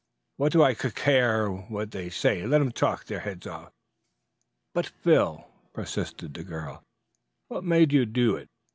"What do I cuc care what they say! Let them talk their heads off." "But, Phil," persisted the girl, "what made you do it?